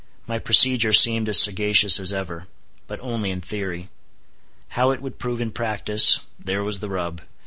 My procedure seemed as sagacious as ever.—but only in theory. How it would prove in practice—there was the rub.